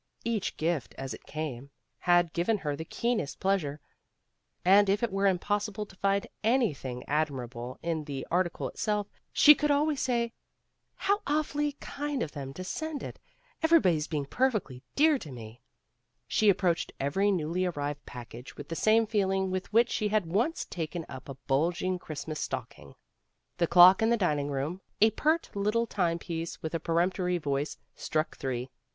Each gift as it came had given her the keenest pleasure, and if it were impossible to find any thing admirable in the article itself, she could always say, "How awfully kind of them to send it. Everybody's being perfectly dear to me." 296 A MISSING BRIDE 297 She approached every newly arrived package with the same feeling with which she had once taken up a bulging Christmas stocking. The clock in the dining room, a pert little time piece with a peremptory voice, struck three.